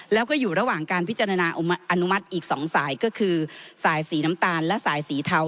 แล้วก็อยู่ระหว่างการพิจารณาอนุมัติอีก๒สายก็คือสายสีน้ำตาลและสายสีเทา